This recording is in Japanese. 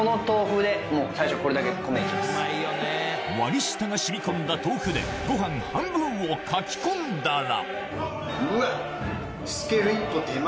割り下が染み込んだ豆腐でご飯半分をかき込んだらうわっ。